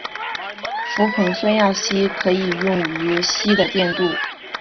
氟硼酸亚锡可以用于锡的电镀。